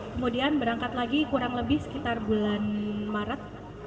kemudian berangkat lagi kurang lebih sekitar bulan maret dua ribu tujuh belas